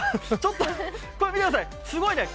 これ見てください、すごいです。